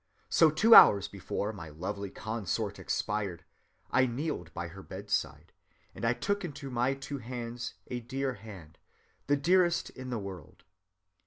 So, two hours before my lovely consort expired, I kneeled by her bedside, and I took into my two hands a dear hand, the dearest in the world.